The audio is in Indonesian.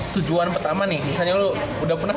tujuan pertama nih misalnya lu udah pernah